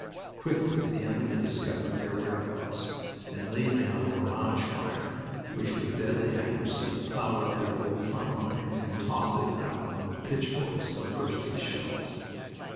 Quickly the enemy discovered their whereabouts and laid down a barrage fire which, with deadly accuracy, plowed up their old front line and tossed it about on the pitchforks of bursting shells.